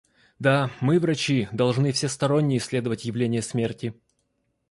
Да, мы, врачи, должны всесторонне исследовать явление смерти.